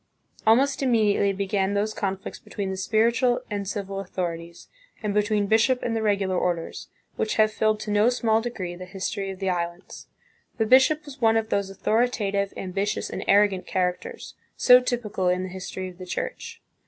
Almost immediately began those conflicts between the spiritual and civil authorities, and between bishop and the regular orders, which have filled to no small degree the history of the islands. The bishop was one of those authoritative, ambitious, and arrogant characters, so typical in the history of the Church.